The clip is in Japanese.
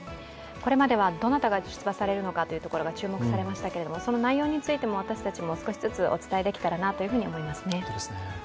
これまではどなたが出馬されるのかというところが注目されましたがその内容についても私たちも少しずつお伝えできたらと思います。